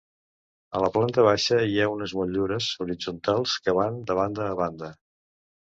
A la planta baixa hi ha unes motllures horitzontals que van de banda a banda.